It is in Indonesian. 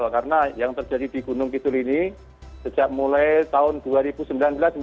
karena yang terjadi di gunung kidul ini sejak mulai tahun dua ribu sembilan belas mbak